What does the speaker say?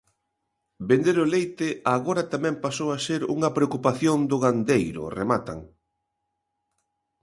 Vender o leite, agora, tamén pasou a ser unha preocupación do gandeiro, rematan.